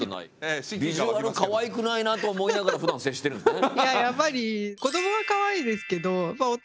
ビジュアルかわいくないなと思いながらふだん接してるんですね。